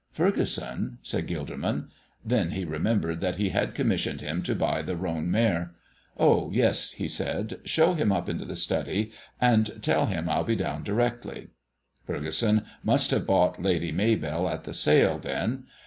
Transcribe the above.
"Furgeson?" said Gilderman. Then he remembered that he had commissioned him to buy the roan mare. "Oh yes," he said. "Show him into the study and tell him I'll be down directly." Furgeson must have bought Lady Maybell at the sale, then.